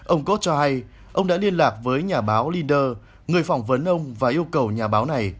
ông kos cho hay ông đã liên lạc với nhà báo linder người phỏng vấn ông và yêu cầu nhà báo này